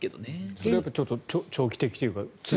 それは長期的というか。